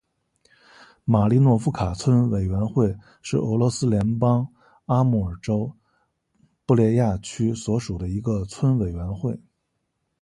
马利诺夫卡村委员会是俄罗斯联邦阿穆尔州布列亚区所属的一个村委员会。